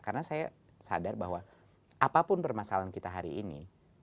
karena saya sadar bahwa apapun permasalahan kita hari ini